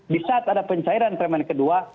di saat ada pencairan permen kedua